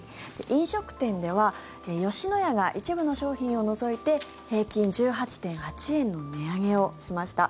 飲食店では吉野家が一部の商品を除いて平均１８．８円の値上げをしました。